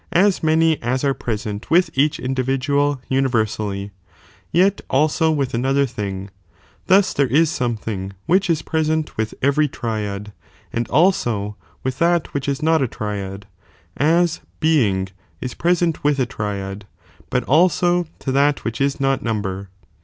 * many as are present with ^' each individual universally, yet also with another thing, thus tliere is something ivhich is present with every triail, nnd also witli that which is not a triad, as being is present with a triad, but also to that which is not number.